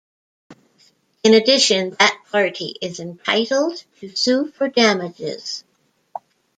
In addition that party is entitled to sue for damages.